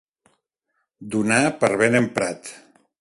Donar per ben emprat.